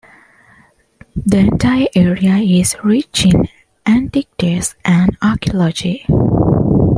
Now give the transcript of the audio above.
The entire area is rich in antiquities and archaeology.